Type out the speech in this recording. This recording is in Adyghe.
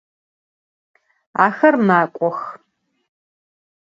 Axer mak'ox.